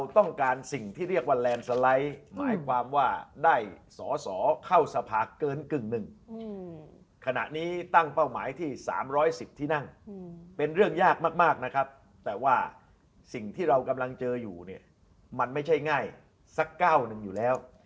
ที่๓๑๐ที่นั่งเป็นเรื่องยากมากนะครับแต่ว่าสิ่งที่เรากำลังเจออยู่เนี่ยมันไม่ใช่ง่ายสักก้าวหนึ่งอยู่แล้ว